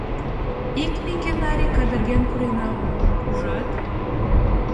ик меҥге наре кадырген пуренам, ужат?»